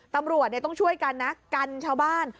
ตำรวจต้องช่วยกันนะกันชาวบ้าน